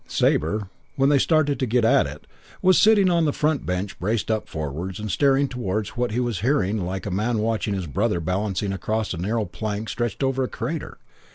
"Sabre, when they started to get at it, was sitting on the front bench braced up forwards and staring towards what he was hearing like a man watching his brother balancing across a narrow plank stretched over a crater.